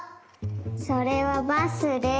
それはバスです。